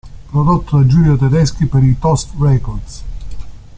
Prodotto da Giulio Tedeschi per Toast Records.